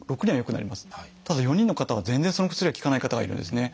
ただ４人の方は全然その薬が効かない方がいるんですね。